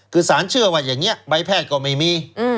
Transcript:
คือสารเชื่อว่าอย่างนี้ใบแพทย์ก็ไม่มี